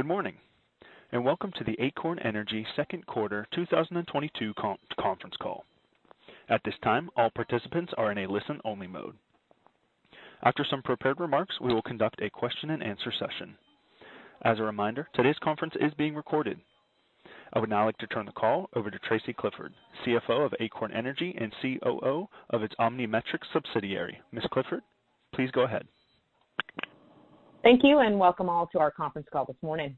Good morning, and welcome to the Acorn Energy second quarter 2022 conference call. At this time, all participants are in a listen-only mode. After some prepared remarks, we will conduct a question-and-answer session. As a reminder, today's conference is being recorded. I would now like to turn the call over to Tracy Clifford, CFO of Acorn Energy and COO of its OmniMetrix subsidiary. Ms. Clifford, please go ahead. Thank you, and welcome all to our conference call this morning.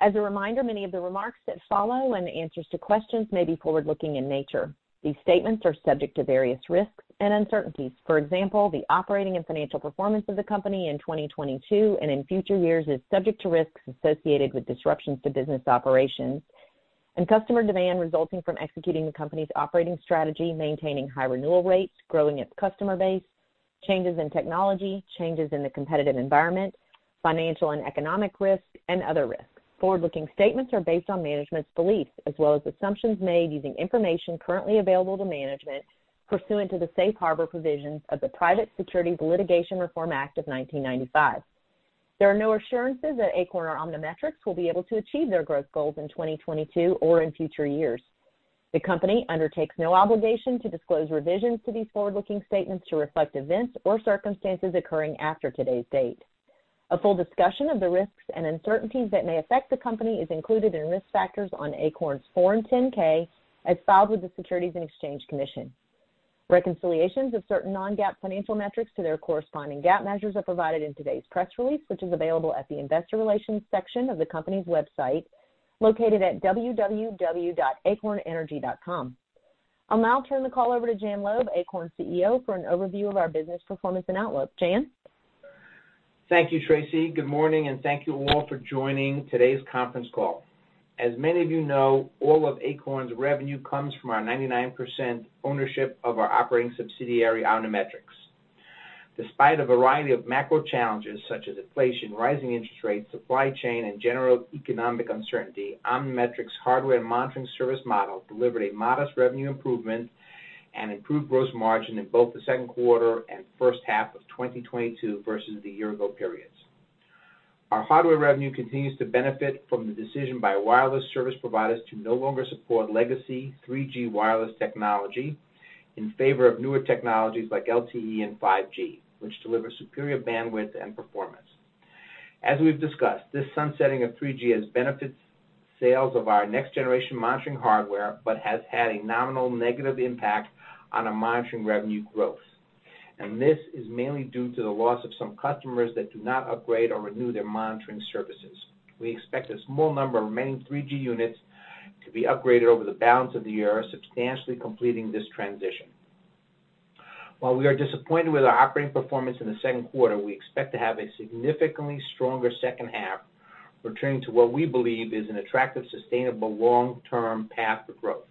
As a reminder, many of the remarks that follow, and the answers to questions may be forward-looking in nature. These statements are subject to various risks and uncertainties. For example, the operating and financial performance of the company in 2022 and in future years is subject to risks associated with disruptions to business operations and customer demand resulting from executing the company's operating strategy, maintaining high renewal rates, growing its customer base, changes in technology, changes in the competitive environment, financial and economic risks, and other risks. Forward-looking statements are based on management's beliefs as well as assumptions made using information currently available to management pursuant to the safe harbor provisions of the Private Securities Litigation Reform Act of 1995. There are no assurances that Acorn or OmniMetrix will be able to achieve their growth goals in 2022 or in future years. The company undertakes no obligation to disclose revisions to these forward-looking statements to reflect events or circumstances occurring after today's date. A full discussion of the risks and uncertainties that may affect the company is included in risk factors on Acorn's Form 10-K, as filed with the Securities and Exchange Commission. Reconciliations of certain non-GAAP financial metrics to their corresponding GAAP measures are provided in today's press release, which is available at the Investor Relations section of the company's website, located at www.acornenergy.com. I'll now turn the call over to Jan Loeb, Acorn's CEO, for an overview of our business performance and outlook. Jan? Thank you, Tracy. Good morning, and thank you all for joining today's conference call. As many of you know, all of Acorn's revenue comes from our 99% ownership of our operating subsidiary, OmniMetrix. Despite a variety of macro challenges, such as inflation, rising interest rates, supply chain, and general economic uncertainty, OmniMetrix's hardware and monitoring service model delivered a modest revenue improvement and improved gross margin in both the second quarter and first half of 2022 versus the year-ago periods. Our hardware revenue continues to benefit from the decision by wireless service providers to no longer support legacy 3G wireless technology in favor of newer technologies like LTE and 5G, which deliver superior bandwidth and performance. As we've discussed, this sunsetting of 3G has benefited sales of our next-generation monitoring hardware but has had a nominal negative impact on our monitoring revenue growth. This is mainly due to the loss of some customers that do not upgrade or renew their monitoring services. We expect a small number of remaining 3G units to be upgraded over the balance of the year, substantially completing this transition. While we are disappointed with our operating performance in the second quarter, we expect to have a significantly stronger second half, returning to what we believe is an attractive, sustainable, long-term path to growth.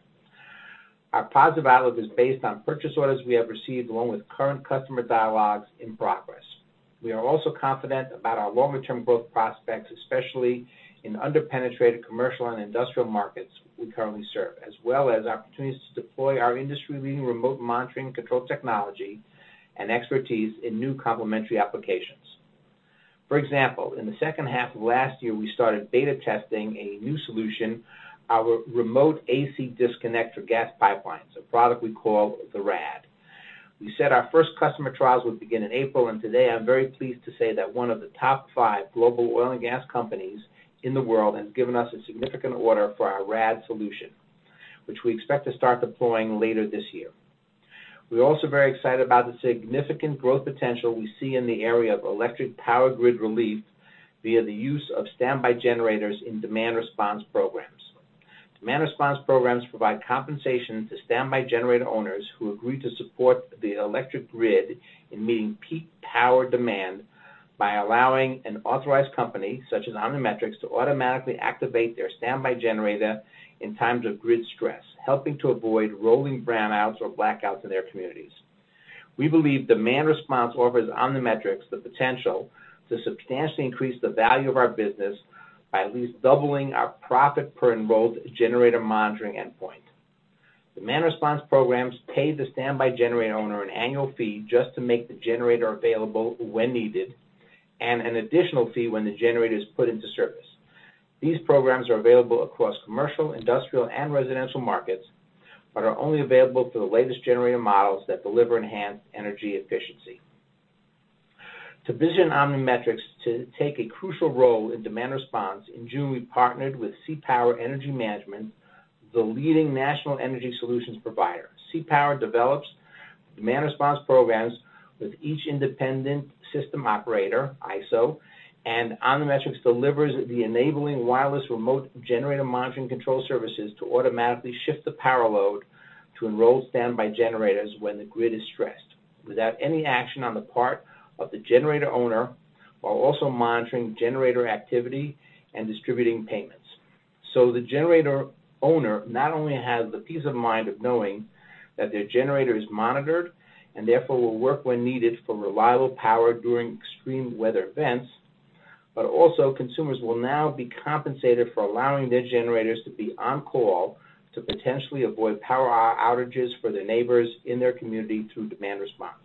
Our positive outlook is based on purchase orders we have received, along with current customer dialogues in progress. We are also confident about our longer-term growth prospects, especially in under-penetrated commercial and industrial markets we currently serve, as well as opportunities to deploy our industry-leading remote monitoring control technology and expertise in new complementary applications. For example, in the second half of last year, we started beta testing a new solution, our Remote AC Disconnect for gas pipelines, a product we call the RAD. We said our first customer trials would begin in April, and today I'm very pleased to say that one of the top five global oil and gas companies in the world has given us a significant order for our RAD solution, which we expect to start deploying later this year. We're also very excited about the significant growth potential we see in the area of electric power grid relief via the use of standby generators in demand response programs. Demand response programs provide compensation to standby generator owners who agree to support the electric grid in meeting peak power demand by allowing an authorized company, such as OmniMetrix, to automatically activate their standby generator in times of grid stress, helping to avoid rolling brownouts or blackouts in their communities. We believe demand response offers OmniMetrix the potential to substantially increase the value of our business by at least doubling our profit per enrolled generator monitoring endpoint. Demand response programs pay the standby generator owner an annual fee just to make the generator available when needed, and an additional fee when the generator is put into service. These programs are available across commercial, industrial, and residential markets, but are only available for the latest generator models that deliver enhanced energy efficiency. To envision OmniMetrix to take a crucial role in demand response, in June, we partnered with CPower Energy Management, the leading national energy solutions provider. CPower develops demand response programs with each independent system operator, ISO, and OmniMetrix delivers the enabling wireless remote generator monitoring control services to automatically shift the power load to enroll standby generators when the grid is stressed, without any action on the part of the generator owner, while also monitoring generator activity and distributing payments. So the generator owner not only has the peace of mind of knowing that their generator is monitored, and therefore, will work when needed for reliable power during extreme weather events, but also consumers will now be compensated for allowing their generators to be on call to potentially avoid power outages for their neighbors in their community through demand response....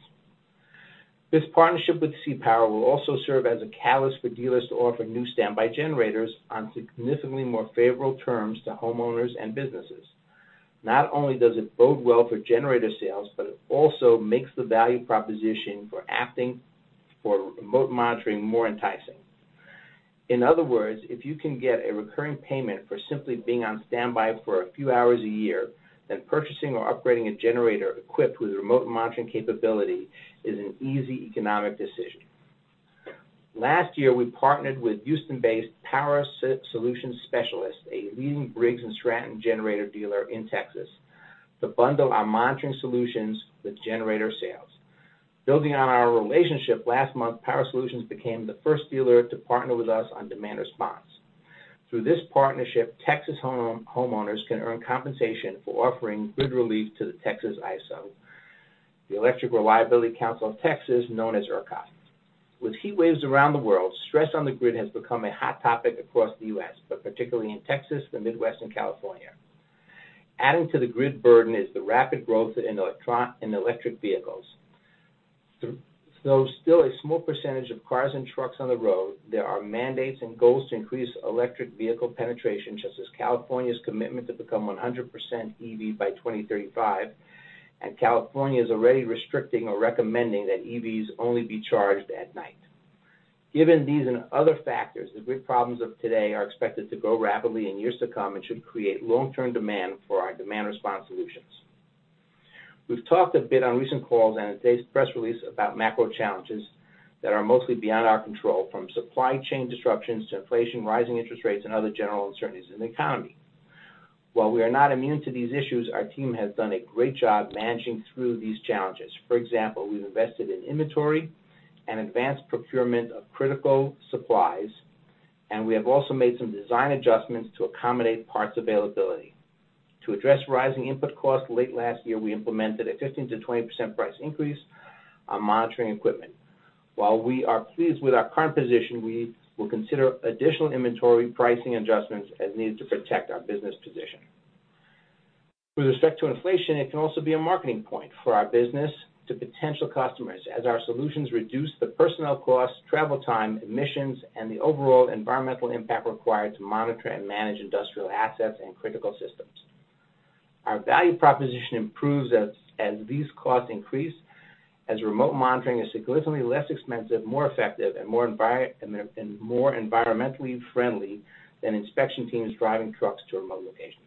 This partnership with CPower will also serve as a catalyst for dealers to offer new standby generators on significantly more favorable terms to homeowners and businesses. Not only does it bode well for generator sales, but it also makes the value proposition for acting for remote monitoring more enticing. In other words, if you can get a recurring payment for simply being on standby for a few hours a year, then purchasing or upgrading a generator equipped with remote monitoring capability is an easy economic decision. Last year, we partnered with Houston-based Power Solutions Specialists, a leading Briggs & Stratton generator dealer in Texas, to bundle our monitoring solutions with generator sales. Building on our relationship, last month, Power Solutions became the first dealer to partner with us on demand response. Through this partnership, Texas homeowners can earn compensation for offering grid relief to the Texas ISO, the Electric Reliability Council of Texas, known as ERCOT. With heat waves around the world, stress on the grid has become a hot topic across the U.S., but particularly in Texas, the Midwest, and California. Adding to the grid burden is the rapid growth in electric vehicles. Though still a small percentage of cars and trucks on the road, there are mandates and goals to increase electric vehicle penetration, such as California's commitment to become 100% EV by 2035, and California is already restricting or recommending that EVs only be charged at night. Given these and other factors, the grid problems of today are expected to grow rapidly in years to come and should create long-term demand for our demand response solutions. We've talked a bit on recent calls and in today's press release about macro challenges that are mostly beyond our control, from supply chain disruptions to inflation, rising interest rates, and other general uncertainties in the economy. While we are not immune to these issues, our team has done a great job managing through these challenges. For example, we've invested in inventory and advanced procurement of critical supplies, and we have also made some design adjustments to accommodate parts availability. To address rising input costs, late last year, we implemented a 15%-20% price increase on monitoring equipment. While we are pleased with our current position, we will consider additional inventory pricing adjustments as needed to protect our business position. With respect to inflation, it can also be a marketing point for our business to potential customers, as our solutions reduce the personnel costs, travel time, emissions, and the overall environmental impact required to monitor and manage industrial assets and critical systems. Our value proposition improves as these costs increase, as remote monitoring is significantly less expensive, more effective, and more environmentally friendly than inspection teams driving trucks to remote locations.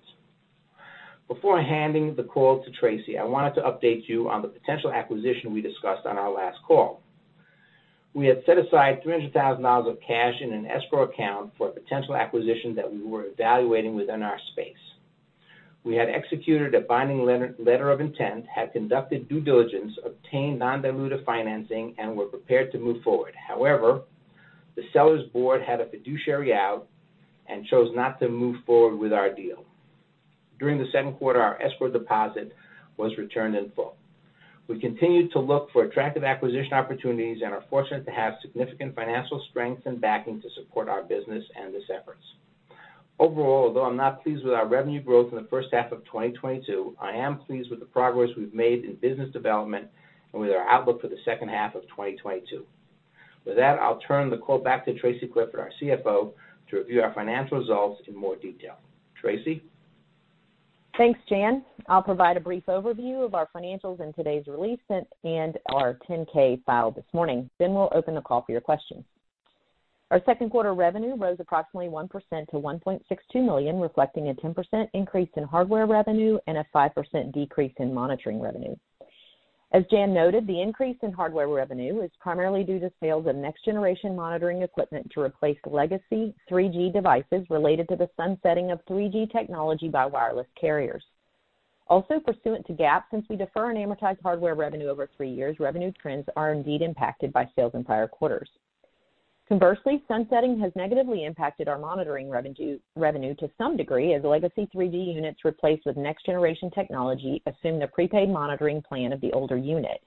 Before handing the call to Tracy, I wanted to update you on the potential acquisition we discussed on our last call. We had set aside $300,000 of cash in an escrow account for a potential acquisition that we were evaluating within our space. We had executed a binding letter of intent, had conducted due diligence, obtained non-dilutive financing, and were prepared to move forward. However, the seller's board had a fiduciary out and chose not to move forward with our deal. During the second quarter, our escrow deposit was returned in full. We continue to look for attractive acquisition opportunities and are fortunate to have significant financial strength and backing to support our business and these efforts. Overall, although I'm not pleased with our revenue growth in the first half of 2022, I am pleased with the progress we've made in business development and with our outlook for the second half of 2022. With that, I'll turn the call back to Tracy Clifford, our CFO, to review our financial results in more detail. Tracy? Thanks, Jan. I'll provide a brief overview of our financials in today's release and our 10-K filed this morning, then we'll open the call for your questions. Our second quarter revenue rose approximately 1% to $1.62 million, reflecting a 10% increase in hardware revenue and a 5% decrease in monitoring revenue. As Jan noted, the increase in hardware revenue is primarily due to sales of next-generation monitoring equipment to replace legacy 3G devices related to the sunsetting of 3G technology by wireless carriers. Also, pursuant to GAAP, since we defer and amortize hardware revenue over three years, revenue trends are indeed impacted by sales in prior quarters. Conversely, sunsetting has negatively impacted our monitoring revenue to some degree, as legacy 3G units replaced with next-generation technology assume the prepaid monitoring plan of the older unit.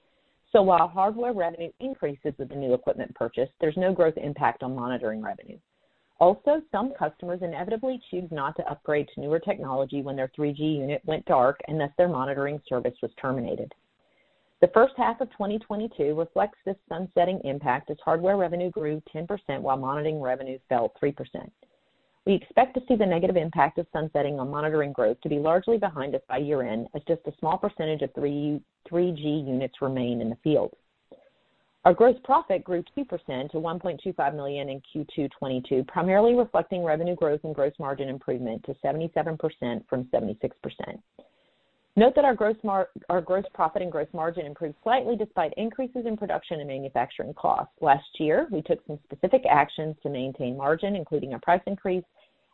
So while hardware revenue increases with the new equipment purchase, there's no growth impact on monitoring revenue. Also, some customers inevitably choose not to upgrade to newer technology when their 3G unit went dark and thus their monitoring service was terminated. The first half of 2022 reflects this sunsetting impact, as hardware revenue grew 10%, while monitoring revenue fell 3%. We expect to see the negative impact of sunsetting on monitoring growth to be largely behind us by year-end, as just a small percentage of 3G units remain in the field. Our gross profit grew 2% to $1.25 million in Q2 2022, primarily reflecting revenue growth and gross margin improvement to 77% from 76%. Note that our gross profit and gross margin improved slightly despite increases in production and manufacturing costs. Last year, we took some specific actions to maintain margin, including a price increase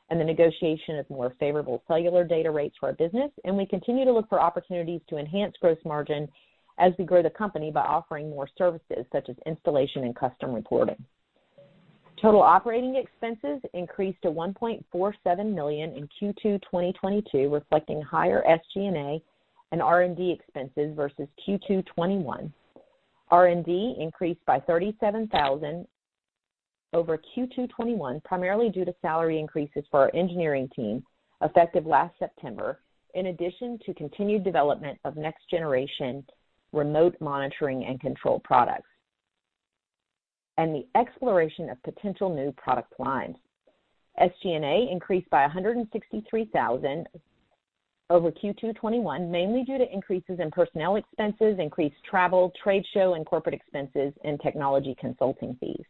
and the negotiation of more favorable cellular data rates for our business, and we continue to look for opportunities to enhance gross margin as we grow the company by offering more services, such as installation and custom reporting. Total operating expenses increased to $1.47 million in Q2 2022, reflecting higher SG&A and R&D expenses versus Q2 2021. R&D increased by $37,000 over Q2 2021, primarily due to salary increases for our engineering team, effective last September, in addition to continued development of next-generation remote monitoring and control products, and the exploration of potential new product lines. SG&A increased by $163,000 over Q2 2021, mainly due to increases in personnel expenses, increased travel, trade show, and corporate expenses, and technology consulting fees.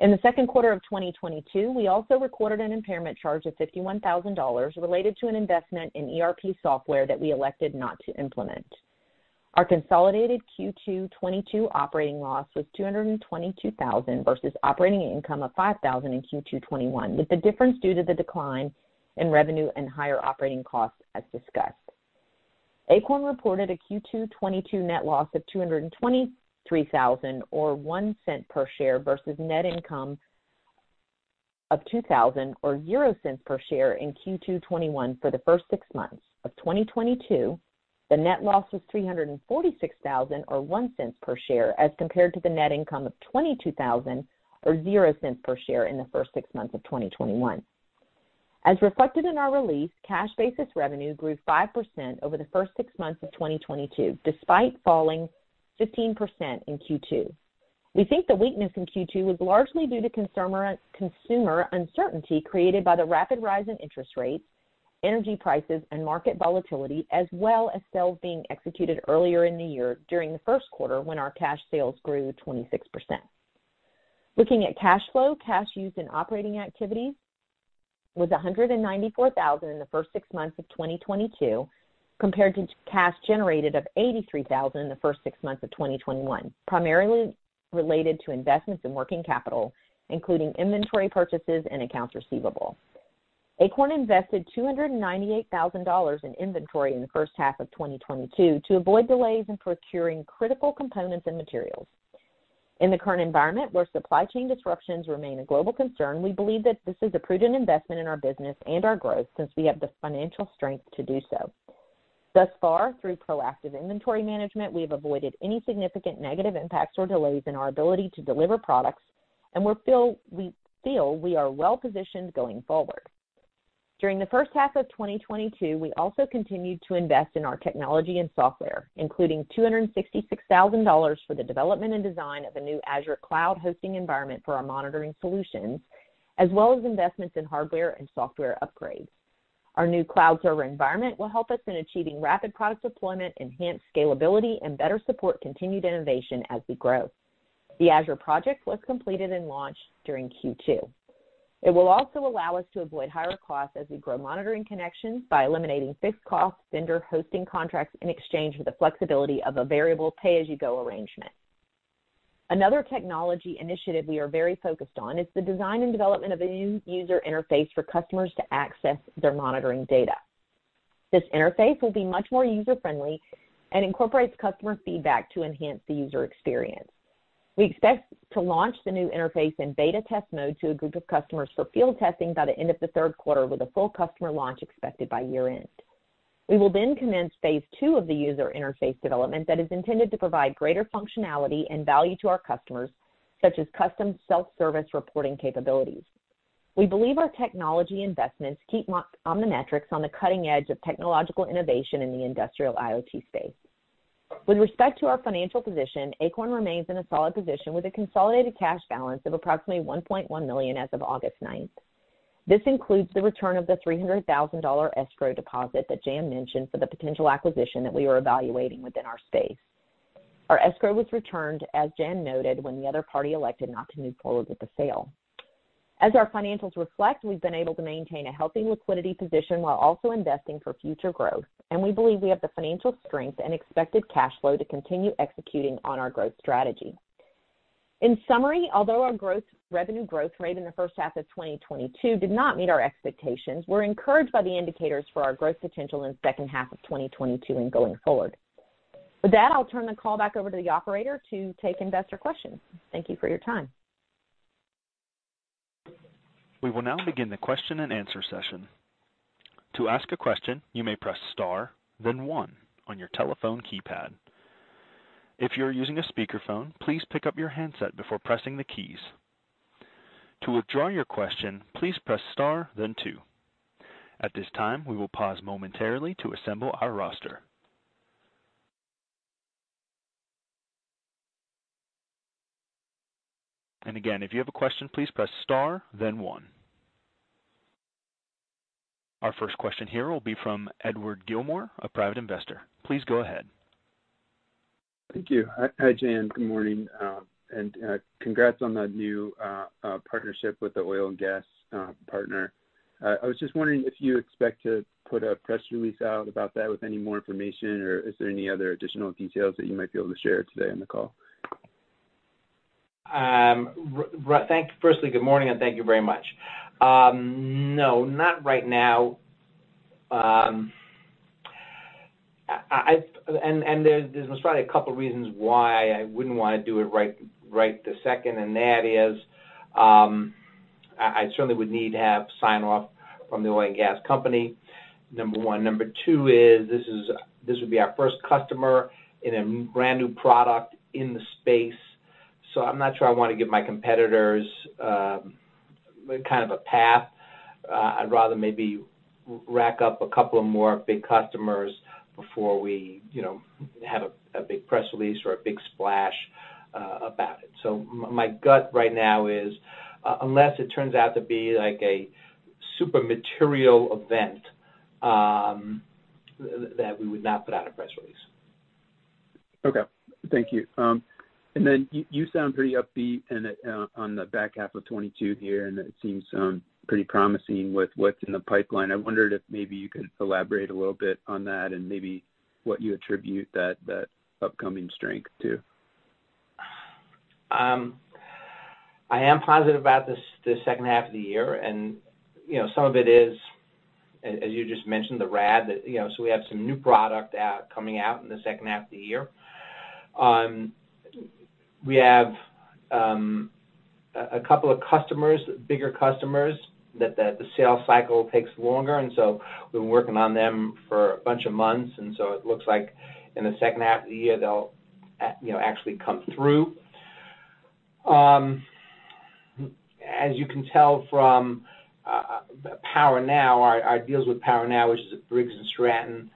In the second quarter of 2022, we also recorded an impairment charge of $51,000 related to an investment in ERP software that we elected not to implement. Our consolidated Q2 2022 operating loss was $222,000 versus operating income of $5,000 in Q2 2021, with the difference due to the decline in revenue and higher operating costs, as discussed. Acorn reported a Q2 2022 net loss of $223,000 or $0.01 per share versus net income of $2,000 or $0.00 per share in Q2 2021. For the first six months of 2022, the net loss was $346,000 or $0.01 per share, as compared to the net income of $22,000 or $0.00 per share in the first six months of 2021. As reflected in our release, cash basis revenue grew 5% over the first six months of 2022, despite falling 15% in Q2. We think the weakness in Q2 was largely due to consumer uncertainty created by the rapid rise in interest rates, energy prices, and market volatility, as well as sales being executed earlier in the year during the first quarter when our cash sales grew 26%. Looking at cash flow, cash used in operating activities was $194,000 in the first six months of 2022, compared to cash generated of $83,000 in the first six months of 2021, primarily related to investments in working capital, including inventory purchases and accounts receivable. Acorn invested $298,000 in inventory in the first half of 2022 to avoid delays in procuring critical components and materials. In the current environment, where supply chain disruptions remain a global concern, we believe that this is a prudent investment in our business and our growth since we have the financial strength to do so. Thus far, through proactive inventory management, we have avoided any significant negative impacts or delays in our ability to deliver products, and we feel we are well positioned going forward. During the first half of 2022, we also continued to invest in our technology and software, including $266,000 for the development and design of a new Azure cloud hosting environment for our monitoring solutions, as well as investments in hardware and software upgrades. Our new cloud server environment will help us in achieving rapid product deployment, enhanced scalability, and better support continued innovation as we grow. The Azure project was completed and launched during Q2. It will also allow us to avoid higher costs as we grow monitoring connections by eliminating fixed cost vendor hosting contracts in exchange for the flexibility of a variable pay-as-you-go arrangement. Another technology initiative we are very focused on is the design and development of a new user interface for customers to access their monitoring data. This interface will be much more user-friendly and incorporates customer feedback to enhance the user experience. We expect to launch the new interface in beta test mode to a group of customers for field testing by the end of the third quarter, with a full customer launch expected by year-end. We will then commence phase two of the user interface development that is intended to provide greater functionality and value to our customers, such as custom self-service reporting capabilities. We believe our technology investments keep OmniMetrix on the cutting edge of technological innovation in the industrial IoT space. With respect to our financial position, Acorn remains in a solid position with a consolidated cash balance of approximately $1.1 million as of August 9th. This includes the return of the $300,000 escrow deposit that Jan mentioned for the potential acquisition that we are evaluating within our space. Our escrow was returned, as Jan noted, when the other party elected not to move forward with the sale. As our financials reflect, we've been able to maintain a healthy liquidity position while also investing for future growth, and we believe we have the financial strength and expected cash flow to continue executing on our growth strategy. In summary, although our growth, revenue growth rate in the first half of 2022 did not meet our expectations, we're encouraged by the indicators for our growth potential in the second half of 2022 and going forward. With that, I'll turn the call back over to the operator to take investor questions. Thank you for your time. We will now begin the question-and-answer session. To ask a question, you may press star, then one on your telephone keypad. If you are using a speakerphone, please pick up your handset before pressing the keys. To withdraw your question, please press star then two. At this time, we will pause momentarily to assemble our roster. Again, if you have a question, please press star, then one. Our first question here will be from Edward Gilmore, a private investor. Please go ahead. Thank you. Hi, Jan. Good morning, and congrats on that new partnership with the oil and gas partner. I was just wondering if you expect to put a press release out about that with any more information, or is there any other additional details that you might be able to share today on the call? Thank firstly, good morning, and thank you very much. No, not right now. I... There's probably a couple reasons why I wouldn't want to do it right, right this second, and that is-... I certainly would need to have sign off from the oil and gas company, number one. Number two is, this would be our first customer in a brand new product in the space. So I'm not sure I want to give my competitors kind of a path. I'd rather maybe rack up a couple of more big customers before we, you know, have a big press release or a big splash about it. So my gut right now is, unless it turns out to be like a super material event, that we would not put out a press release. Okay, thank you. And then you sound pretty upbeat and on the back half of 2022 here, and it seems pretty promising with what's in the pipeline. I wondered if maybe you could elaborate a little bit on that and maybe what you attribute that upcoming strength to. I am positive about this, the second half of the year, and you know, some of it is, as you just mentioned, the RAD. That, you know, so we have some new product coming out in the second half of the year. We have a couple of customers, bigger customers, that the sales cycle takes longer, and so we've been working on them for a bunch of months, and so it looks like in the second half of the year, they'll you know, actually come through. As you can tell from PowerNow, our deals with PowerNow, which is a Briggs & Stratton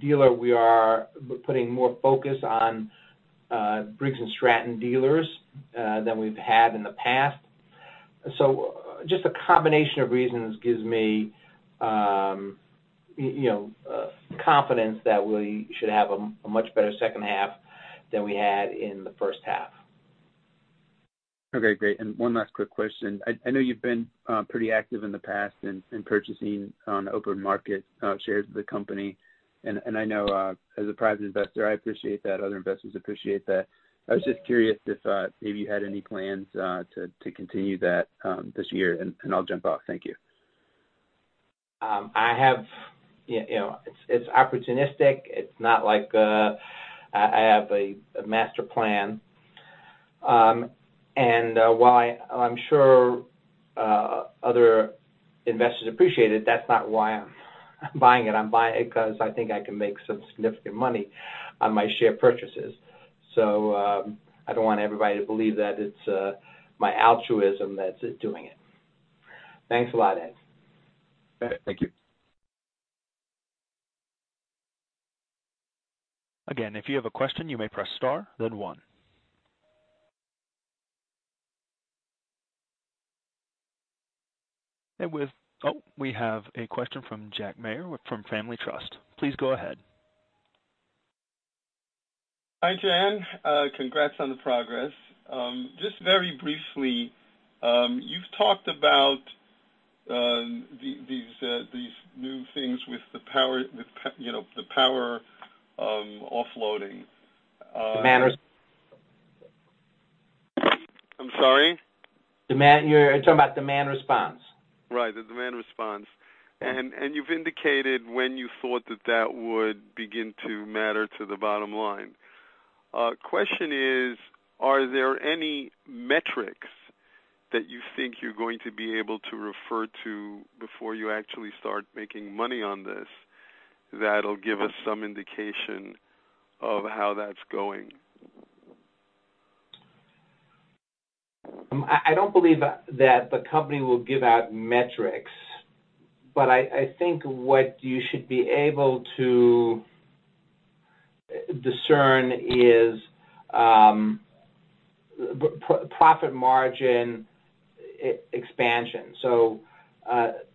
dealer, we are putting more focus on Briggs & Stratton dealers than we've had in the past. So just a combination of reasons gives me, you know, confidence that we should have a much better second half than we had in the first half. Okay, great. And one last quick question. I know you've been pretty active in the past in purchasing on open market shares of the company, and I know, as a private investor, I appreciate that, other investors appreciate that. I was just curious if maybe you had any plans to continue that this year, and I'll jump off. Thank you. You know, it's opportunistic. It's not like I have a master plan. While I'm sure other investors appreciate it, that's not why I'm buying it. I'm buying it because I think I can make some significant money on my share purchases. So, I don't want everybody to believe that it's my altruism that's doing it. Thanks a lot, Ed. Thank you. Again, if you have a question, you may press star, then one. And with... Oh, we have a question from Jack Mayer with- from Family Trust. Please go ahead. Hi, Jan. Congrats on the progress. Just very briefly, you've talked about these new things with the power, you know, the power offloading. Demand response. I'm sorry? Demand. You're talking about demand response. Right, the demand response. And you've indicated when you thought that that would begin to matter to the bottom line. Question is, are there any metrics that you think you're going to be able to refer to before you actually start making money on this, that'll give us some indication of how that's going? I don't believe that the company will give out metrics, but I think what you should be able to discern is profit margin expansion. So, what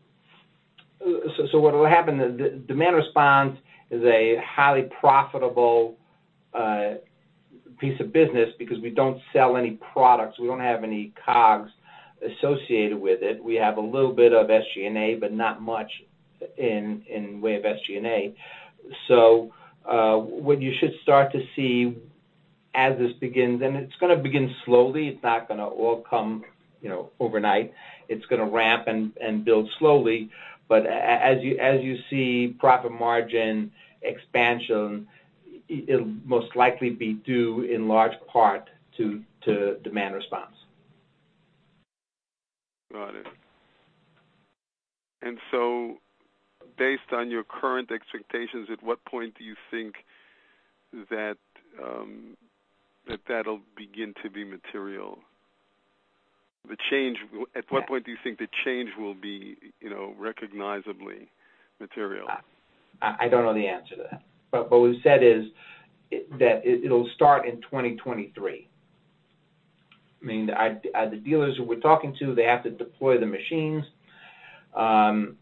will happen is the demand response is a highly profitable piece of business because we don't sell any products. We don't have any COGS associated with it. We have a little bit of SG&A, but not much in way of SG&A. So, what you should start to see as this begins, and it's gonna begin slowly. It's not gonna all come, you know, overnight. It's gonna ramp and build slowly, but as you see profit margin expansion, it'll most likely be due in large part to demand response. Got it. And so, based on your current expectations, at what point do you think that, that that'll begin to be material? The change- At what point do you think the change will be, you know, recognizably material? I don't know the answer to that, but what we've said is, that it, it'll start in 2023. I mean, the dealers who we're talking to, they have to deploy the machines, and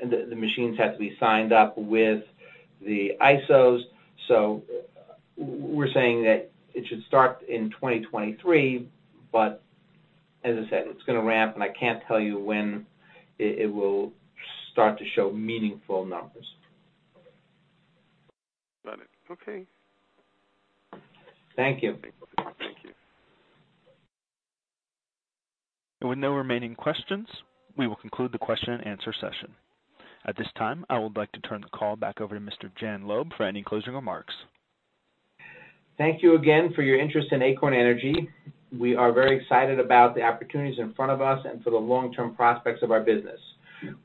the, the machines have to be signed up with the ISOs. So we're saying that it should start in 2023, but as I said, it's gonna ramp, and I can't tell you when it will start to show meaningful numbers. Got it. Okay. Thank you. Thank you. With no remaining questions, we will conclude the question and answer session. At this time, I would like to turn the call back over to Mr. Jan Loeb for any closing remarks. Thank you again for your interest in Acorn Energy. We are very excited about the opportunities in front of us and for the long-term prospects of our business.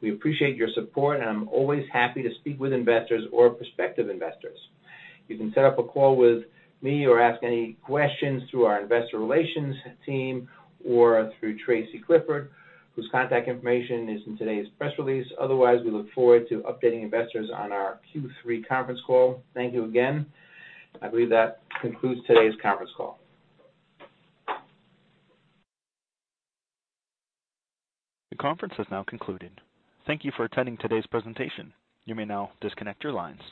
We appreciate your support, and I'm always happy to speak with investors or prospective investors. You can set up a call with me or ask any questions through our investor relations team or through Tracy Clifford, whose contact information is in today's press release. Otherwise, we look forward to updating investors on our Q3 conference call. Thank you again. I believe that concludes today's conference call. The conference has now concluded. Thank you for attending today's presentation. You may now disconnect your lines.